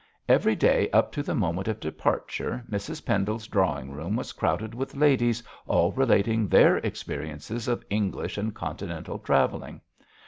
Every day up to the moment of departure Mrs Pendle's drawing room was crowded with ladies all relating their experiences of English and Continental travelling.